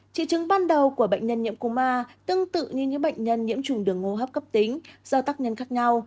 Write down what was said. triệu chứng ban đầu của bệnh nhân nhiễm cô ma tương tự như những bệnh nhân nhiễm trùng đường ngô hấp cấp tính do tác nhân khác nhau